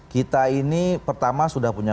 kita ini pertama sudah punya